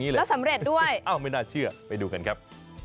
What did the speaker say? แล้วสำเร็จด้วยอ้าวไม่น่าเชื่อไปดูกันครับ